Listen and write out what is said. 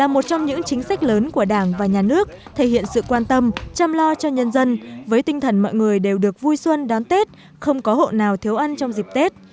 một trong những chính sách lớn của đảng và nhà nước thể hiện sự quan tâm chăm lo cho nhân dân với tinh thần mọi người đều được vui xuân đón tết không có hộ nào thiếu ăn trong dịp tết